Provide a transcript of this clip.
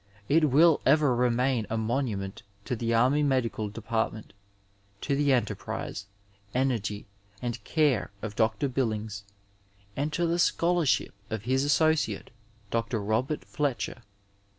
It will ever remain a monument to the Army Medical Department, to the enterprise, energy and care of Dr. Billings, and to the scholarship of his associate, Dr. Robert Fletcher.